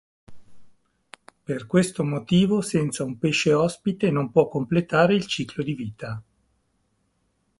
Per questo motivo senza un pesce ospite non può completare il ciclo di vita.